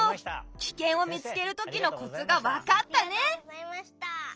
キケンを見つけるときのコツが分かったね！